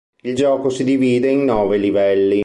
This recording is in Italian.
Il gioco si divide in nove livelli.